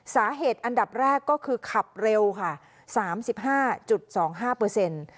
อันดับแรกก็คือขับเร็วค่ะสามสิบห้าจุดสองห้าเปอร์เซ็นต์